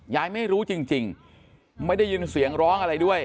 ยายไม่รู้จริงไม่ได้ยินเสียงร้องอะไรด้วย